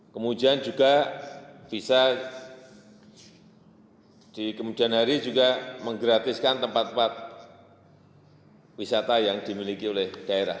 kemudian juga bisa di kemudian hari juga menggratiskan tempat tempat wisata yang dimiliki oleh daerah